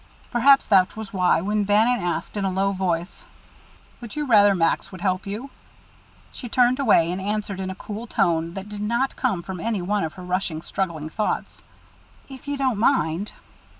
Perhaps that was why, when Bannon asked, in a low voice, "Would you rather Max would help you?" she turned away and answered in a cool tone that did not come from any one of her rushing, struggling thoughts, "If you don't mind."